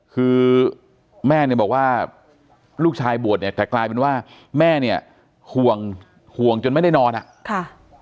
คือแม่เนี่ยบอกว่าลูกชายบวชเนี่ยแต่กลายเป็นว่าแม่เนี่ยห่วงห่วงจนไม่ได้นอนอ่ะค่ะ